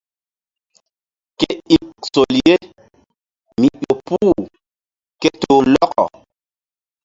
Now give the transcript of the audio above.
Ke ik sol ye mi ƴo puh ke toh lɔkɔ.